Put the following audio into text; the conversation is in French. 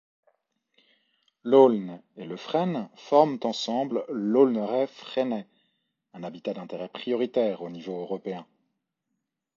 L'aulne et le frêne forment ensemble l'aulneraie-frênaie, un habitat d’intérêt prioritaire au niveau européen.